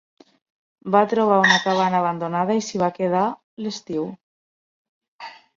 Va trobar una cabana abandonada i s'hi va quedar l'estiu.